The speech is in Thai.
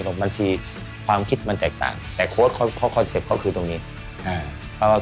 และความคิดเดียวกัน